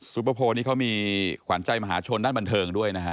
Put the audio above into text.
ปเปอร์โพลนี้เขามีขวัญใจมหาชนด้านบันเทิงด้วยนะฮะ